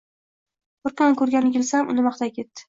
Bir kuni ko`rgani kelsam, uni maqtay ketdi